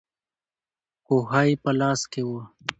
کوهی په لاس کې وو.